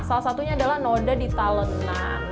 salah satunya adalah noda di talenan